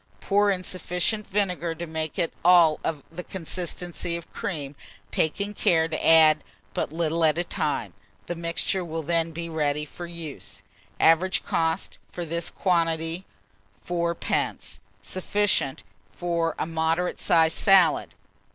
Pour in sufficient vinegar to make it of the consistency of cream, taking care to add but little at a time. The mixture will then be ready for use. Average cost, for this quantity, 7d. Sufficient for a moderate sized salad.